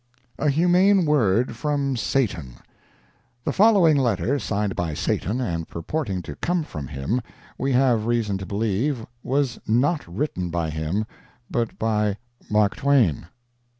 A HUMANE WORD FROM SATAN (The following letter, signed by Satan and purporting to come from him, we have reason to believe was not written by him, but by Mark Twain.